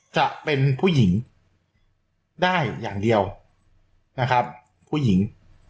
จะเป็นผู้หญิงได้อย่างเดียวนะครับผู้หญิง